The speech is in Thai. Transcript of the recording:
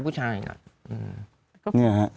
นี่นะครับ